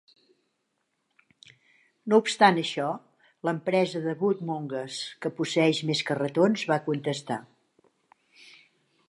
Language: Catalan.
No obstant això, l"empresa de Woodmongers, que posseeix més carretons, va contestar.